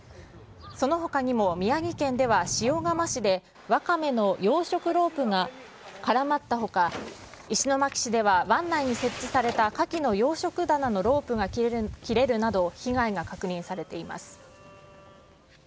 そのほかにも宮城県では、塩釜市でワカメの養殖ロープが絡まったほか、石巻市では湾内に設置されたカキの養殖棚のロープが切れるなど、被害が確認されています。